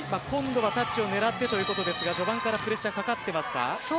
今度はタッチを狙ってということですが序盤からプレッシャーかかっていますか？